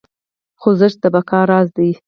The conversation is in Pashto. خوځښت د بقا راز دی.